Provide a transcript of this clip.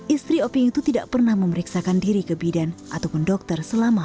istri oping itu tidak pernah memeriksakan diri ke bidan atau menjaga kemampuan